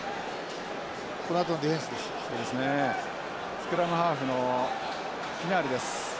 スクラムハーフのピナールです。